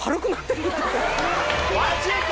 マジか！